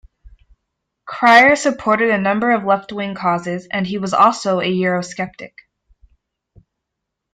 Cryer supported a number of left-wing causes and he was also a Eurosceptic.